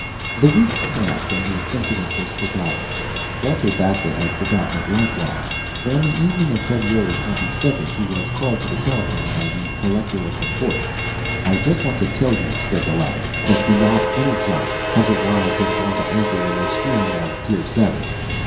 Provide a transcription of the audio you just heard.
The weeks passed and the incident was forgotten. Walter Bassett had forgotten it likewise; but on the evening of February 22, he was called to the telephone by the Collector of the Port. "I just wanted to tell you," said the latter, "that the yacht Energon has arrived and gone to anchor in the stream off Pier Seven."